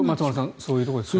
そういうところですかね。